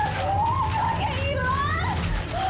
aduh ya ilah